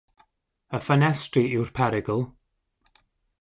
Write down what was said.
Y ffenestri yw'r perygl.